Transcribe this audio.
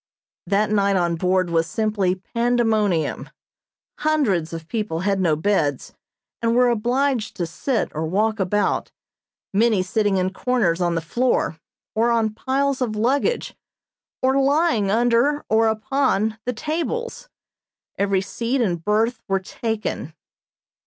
That night on board was simply pandemonium. Hundreds of people had no beds, and were obliged to sit or walk about, many sitting in corners on the floor, or on piles of luggage or lying under or upon the tables. Every seat and berth were taken.